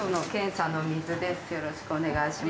よろしくお願いします。